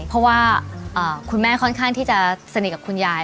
เพราะว่าคุณแม่ค่อนข้างที่จะสนิทกับคุณยาย